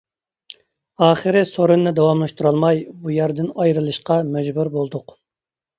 ئاخىرى سورۇننى داۋاملاشتۇرالماي بۇ يەردىن ئايرىلىشقا مەجبۇر بولدۇق.